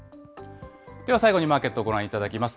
では最後にマーケットをご覧いただきます。